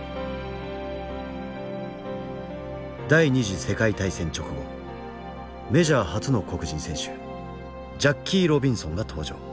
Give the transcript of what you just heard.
第二次世界大戦直後メジャー初の黒人選手ジャッキー・ロビンソンが登場。